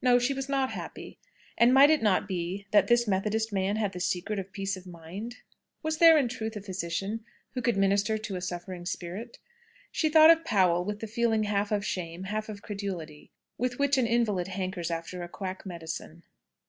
No; she was not happy. And might it not be that this Methodist man had the secret of peace of mind? Was there in truth a physician who could minister to a suffering spirit? She thought of Powell with the feeling half of shame, half of credulity, with which an invalid hankers after a quack medicine.